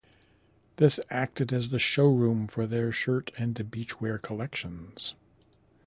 This acted as the showroom for their shirt and beachwear collections.